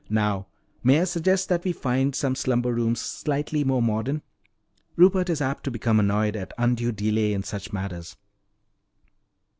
Now may I suggest that we find some slumber rooms slightly more modern? Rupert is apt to become annoyed at undue delay in such matters."